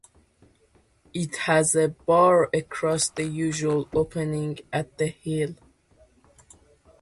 It has a bar across the usual opening at the heel.